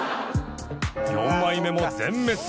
４枚目も全滅